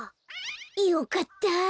よかった。